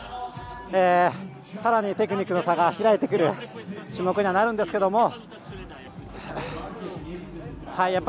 さらにテクニックの差が開いてくる種目にはなるんですけど